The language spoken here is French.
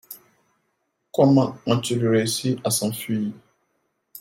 Comment ont-ils réussi à s’enfuir ?